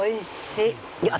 いや私